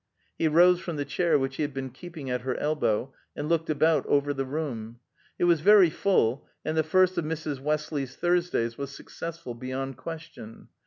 He rose from the chair which he had been keeping at her elbow, and looked about over the room. It was very full, and the first of Mrs. Westley's Thursdays was successful beyond question.